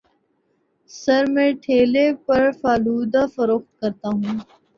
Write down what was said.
سر میں ٹھیلے پر فالودہ فروخت کرتا ہوں